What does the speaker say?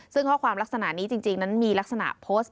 ซึ่งข้อความลักษณะนี้จริงนั้นมีลักษณะโพสต์